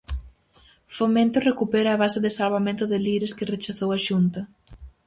Fomento recupera a base de salvamento de Lires que rechazou a Xunta.